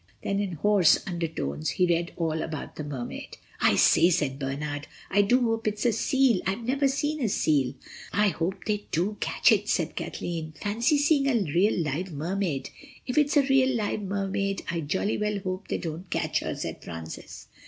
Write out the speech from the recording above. Then in hoarse undertones he read all about the Mermaid. "I say," said Bernard, "I do hope it's a seal. I've never seen a seal." "I hope they do catch it," said Kathleen. "Fancy seeing a real live Mermaid." "If it's a real live Mermaid I jolly well hope they don't catch her," said Francis.